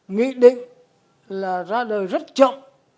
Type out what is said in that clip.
nghị định là ra đời rất chậm